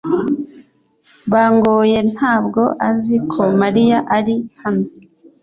Bangoye ntabwo azi ko Mariya ari hano .